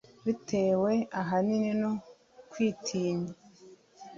bitewe ahanini no kwitinya